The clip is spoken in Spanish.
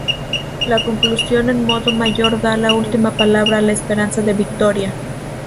La conclusión en modo mayor da la última palabra a la esperanza de victoria.